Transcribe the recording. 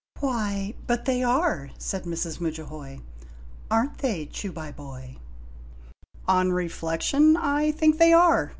"Why, but they a re /"said Mrs. Mudjahoy. "Are n't they, Chubaiboy ?"" On reflection, I think they are